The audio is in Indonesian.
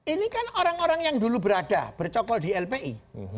ini kan orang orang yang dulu berada bercokol di lpi